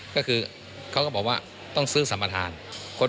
ก็คือเขาก็บอกว่าต้องซื้อสัมประธาน